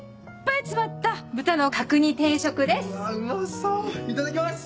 いただきます！